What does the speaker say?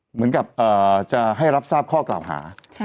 เหมือนกับจะให้รับทราบข้อกล่าวหา